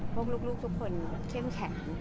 พวกลูกทุกคนเข้มแข็ง